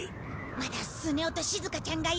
まだスネ夫としずかちゃんがいる！